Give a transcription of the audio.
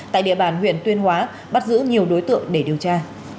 tại địa bàn huyện tuyên hóa bắt giữ nhiều đối tượng để điều tra